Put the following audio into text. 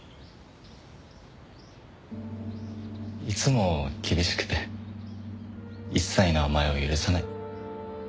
いつも厳しくて一切の甘えを許さない。